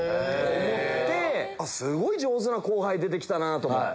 すごい上手な後輩出てきたなと思って。